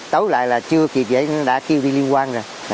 tối lại là chưa kịp vậy nó đã kêu đi liên quan rồi